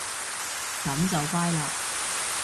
噉就乖嘞